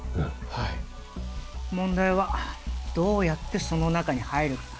はい問題はどうやってその中に入るかだ